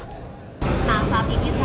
nah saat ini saya ingin mencoba